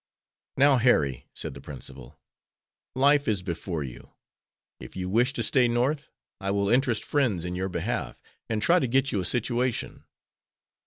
"Now, Harry," said the principal, "life is before you. If you wish to stay North, I will interest friends in your behalf, and try to get you a situation.